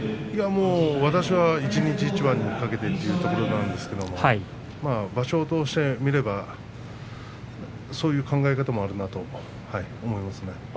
いやあ、私はもう一日一番に懸けたということなんですが場所を通して見ればそういう考え方もあるなと思いますね。